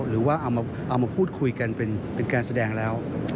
หรือว่าเอามาพูดคุยกันเป็นการแสดงแล้ว